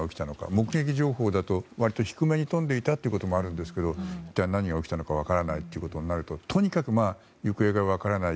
目撃情報だと割と低めに飛んでいたということもあるんですが何が起きたのか分からないということになるととにかく行方が分からない